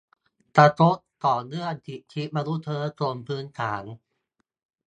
กระทบต่อเรื่องสิทธิมนุษยชนพื้นฐาน